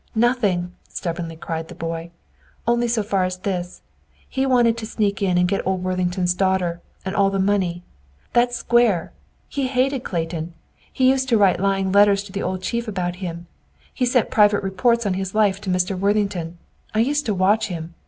"Nothing," stubbornly cried the boy. "Only so far as this: he wanted to sneak in and get old Worthington's daughter, and all the money. That's square! He hated Clayton. He used to write lying letters to the old chief about him. He sent private reports on his life to Mr. Worthington. I used to watch him.